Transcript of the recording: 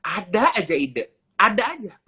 ada aja ide ada aja